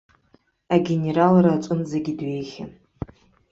Агенералра аҿынӡагьы дҩеихьан?